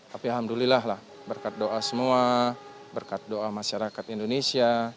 tapi alhamdulillah lah berkat doa semua berkat doa masyarakat indonesia